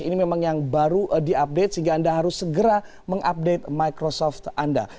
ini memang yang baru diupdate sehingga anda harus segera mengupdate microsoft anda